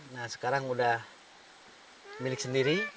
nah sekarang udah milik sendiri